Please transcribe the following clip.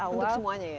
untuk semuanya ya